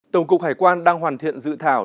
tổng cục hải quan đang hoàn thiện dự thảo